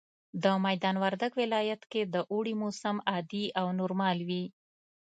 د ميدان وردګ ولايت کي د اوړي موسم عادي او نورمال وي